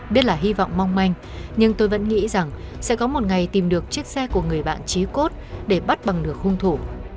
biết là hy vọng mong manh nhưng tôi vẫn nghĩ rằng sẽ có một ngày tìm được chiếc xe của người bạn trí cốt để bắt bằng được hung thủ